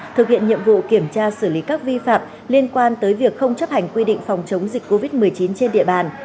thực hiện nhiệm vụ kiểm tra xử lý các vi phạm liên quan tới việc không chấp hành quy định phòng chống dịch covid một mươi chín trên địa bàn